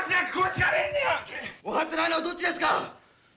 分かってないのはどっちですか。